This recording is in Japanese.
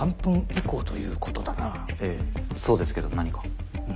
ええそうですけど何か？